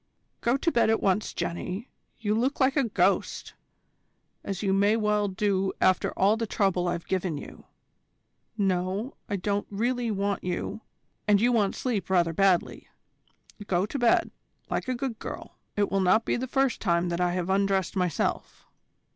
"Go to bed at once, Jenny; you look like a ghost, as you may well do after all the trouble I've given you. No, I don't really want you, and you want sleep rather badly. Go to bed, like a good girl. It will not be the first time that I have undressed myself."